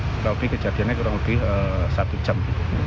tapi kejadiannya kurang lebih satu jam